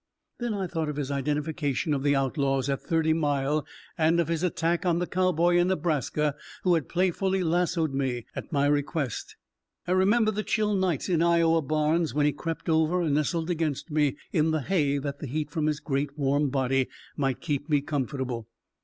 Then I thought of his identification of the outlaws at Thirty Mile, and of his attack on the cowboy in Nebraska who had playfully lassoed me at my request. I remembered the chill nights in Iowa barns when he crept over and nestled against me in the hay that the heat from his great, warm body might keep me comfortable.